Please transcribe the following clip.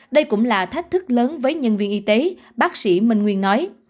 đây cũng là thách thức lớn với nhân viên y tế bác sĩ minh nguyên nói